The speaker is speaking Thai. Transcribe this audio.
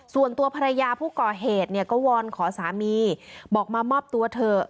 ส่วนตัวภรรยาผู้ก่อเหตุเนี่ยก็วอนขอสามีบอกมามอบตัวเถอะ